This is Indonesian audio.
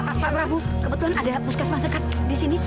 pak prabu kebetulan ada puskesman dekat di sini